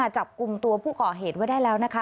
จับกลุ่มตัวผู้ก่อเหตุไว้ได้แล้วนะคะ